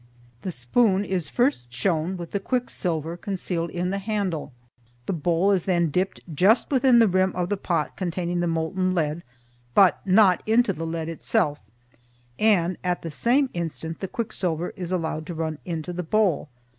The spoon is first shown with the quicksilver concealed in the handle, the bowl is then dipped just within the rim of the pot containing the molten lead, but not into the lead itself, and, at the same instant the quicksilver is allowed to run into the bowl.